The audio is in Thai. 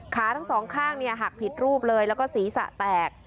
ขาทั้งสองข้างหักผิดรูปเลยแล้วก็ศีรษะแตก